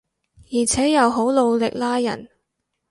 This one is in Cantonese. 而且又好努力拉人